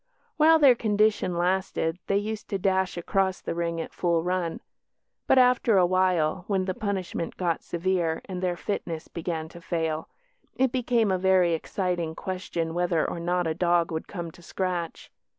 While their condition lasted they used to dash across the ring at full run; but, after a while, when the punishment got severe and their "fitness" began to fail, it became a very exciting question whether or not a dog would "come to scratch".